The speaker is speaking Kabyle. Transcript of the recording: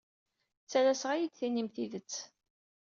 Ttalaseɣ ad iyi-d-tinim tidet.